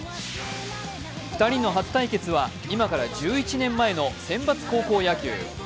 ２人の初対決は、今から１１年前の選抜高校野球。